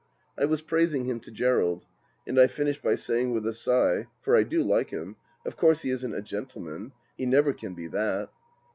I was praising him to Gerald, and I finished by saying with a sigh, for I do like him :" Of course he isn't a gentleman ; he never can be that."